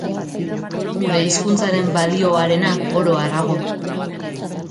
Gure hizkuntzaren balioarena, oro harrago.